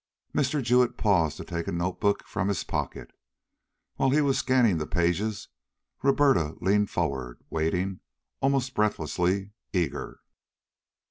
Mr. Jewett paused to take a note book from his pocket. While he was scanning the pages Roberta leaned forward, waiting, almost breathlessly eager.